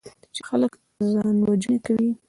چې خلک ځانوژنې کوي.